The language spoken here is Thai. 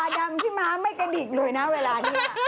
ดำพี่ม้าไม่กระดิกเลยนะเวลานี้